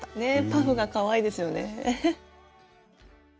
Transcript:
パフがかわいいですよね。